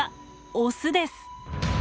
オスです。